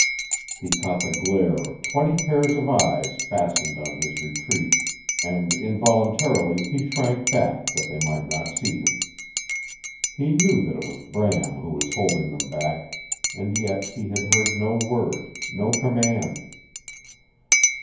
He caught the glare of twenty pairs of eyes fastened on his retreat and involuntarily he shrank back that they might not see him. He knew that it was Bram who was holding them back, and yet he had heard no word, no command.